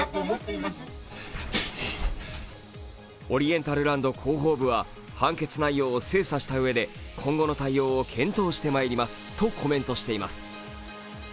オリエンタルランド広報部は判決内容を精査したうえで今後の対応を検討してまいりますとコメントしています。